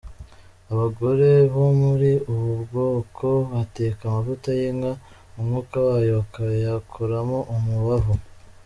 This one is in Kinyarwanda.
Abagore bo muri ubu bwoko bateka amavuta y’ inka umwuka wayo bakayakoramo umubavu.